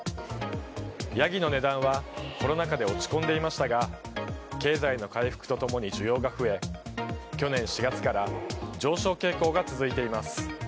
ヤギの値段はコロナ禍で落ち込んでいましたが経済の回復と共に需要が増え去年４月から上昇傾向が続いています。